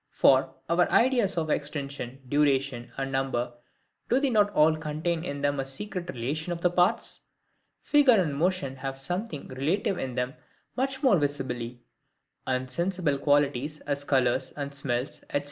For, our ideas of extension, duration, and number, do they not all contain in them a secret relation of the parts? Figure and motion have something relative in them much more visibly. And sensible qualities, as colours and smells, &c.